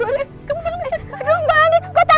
gue tangannya dikit